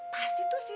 pasti tuh si